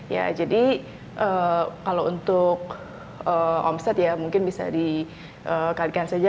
ya jadi kalau untuk omset ya mungkin bisa dikalikan saja